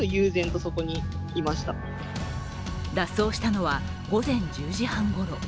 脱走したのは午前１０時半ごろ。